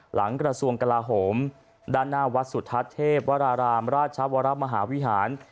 หลังกระทรวงกลาโหมด้านหน้าวัดสุทัศน์เทพวรารามราชวรมหาวิหาร